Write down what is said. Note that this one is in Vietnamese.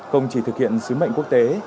không chỉ thực hiện sứ mệnh quốc tế